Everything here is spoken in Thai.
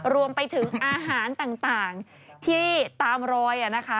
รวมไปถึงอาหารต่างที่ตามรอยนะคะ